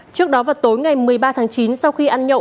trước đó vào tối ngày một mươi ba tháng chín sau khi ăn nhậu